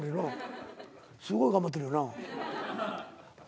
すごい頑張ってるよな。